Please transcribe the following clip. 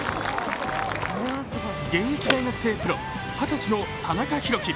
現役大学生プロ二十歳の田中裕基。